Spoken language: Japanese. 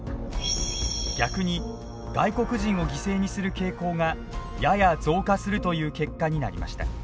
逆に外国人を犠牲にする傾向がやや増加するという結果になりました。